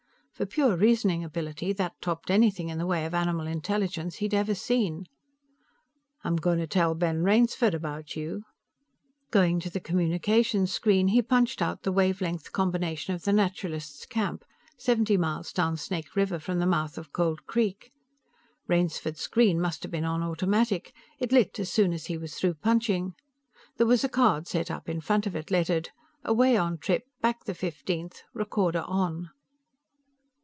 For pure reasoning ability, that topped anything in the way of animal intelligence he'd ever seen. "I'm going to tell Ben Rainsford about you." Going to the communication screen, he punched out the wave length combination of the naturalist's camp, seventy miles down Snake River from the mouth of Cold Creek. Rainsford's screen must have been on automatic; it lit as soon as he was through punching. There was a card set up in front of it, lettered: AWAY ON TRIP, BACK THE FIFTEENTH. RECORDER ON.